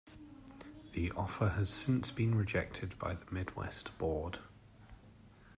The offer has since been rejected by the Midwest board.